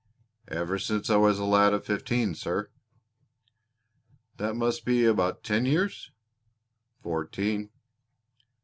"Ever since I was a lad of fifteen, sir." "That must be about ten years!" "Fourteen."